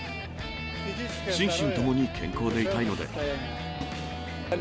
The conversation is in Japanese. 心身ともに健康でいたいので。